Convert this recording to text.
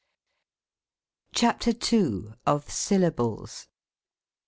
15 CHAPTER II. OF SYLLABLES.